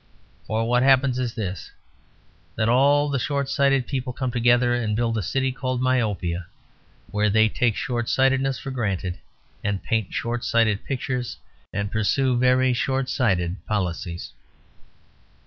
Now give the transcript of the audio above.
For what happens is this: that all the shortsighted people come together and build a city called Myopia, where they take short sightedness for granted and paint short sighted pictures and pursue very short sighted policies.